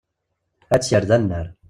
Ad tt-yerr d annar.